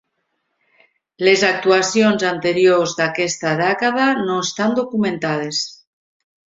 Les actuacions anteriors d'aquesta dècada no estan documentades.